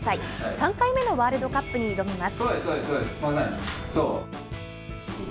３回目のワールドカップに挑みます。